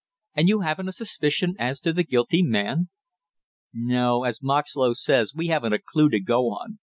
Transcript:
"And you haven't a suspicion as to the guilty man?" "No, as Moxlow says, we haven't a clue to go on.